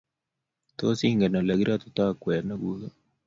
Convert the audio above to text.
Tos, ingen olegiratitoi kwenyonikguk?